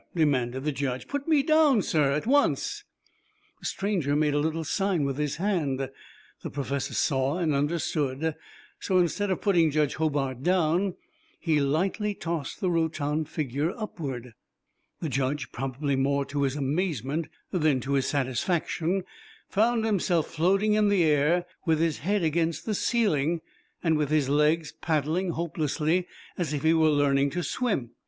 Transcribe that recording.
demanded the Judge. "Put me down, sir, at once." The stranger made a little sign with his hand. The Professor saw and understood, so instead of putting Judge Hobart down, he lightly tossed the rotund figure upward. The Judge, probably more to his amazement than to his satisfaction, found himself floating in the air with his head against the ceiling, and with his legs paddling hopelessly as if he were learning to swim.